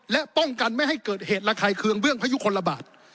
และป้องกันไม่ให้เกิดเหตุระคายเคืองเบื้องพยุคลบาท